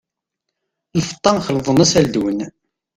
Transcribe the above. Lfeṭṭa xelḍen-as aldun!